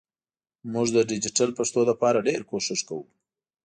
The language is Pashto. مونږ د ډیجېټل پښتو لپاره ډېر کوښښ کوو